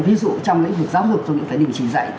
ví dụ trong lĩnh vực giáo dục tôi nghĩ phải đỉnh chỉ dạy